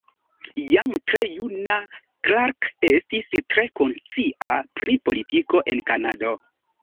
Jam tre juna Clark estis tre konscia pri politiko en Kanado.